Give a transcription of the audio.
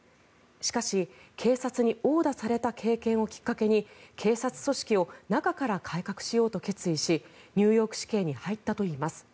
しかし、警察に殴打された経験をきっかけに警察組織を中から改革しようと決意しニューヨーク市警に入ったといいます。